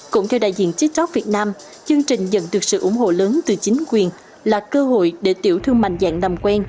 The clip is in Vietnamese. cũng theo đại diện tiktok việt nam chương trình dần được sự ủng hộ lớn từ chính quyền là cơ hội để tiểu thương mạnh dạng nằm quen